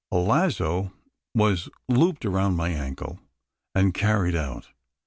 A lazo was looped around my ankle, and carried out.